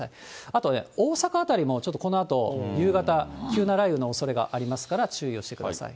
あと大阪辺りもこのあと夕方、急な雷雨のおそれがありますから、注意をしてください。